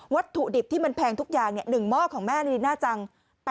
วัตถุดิบที่มันแพงทุกอย่าง๑หม้อของแม่ลีน่าจัง